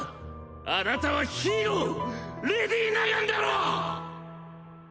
あなたはヒーローレディ・ナガンだろ！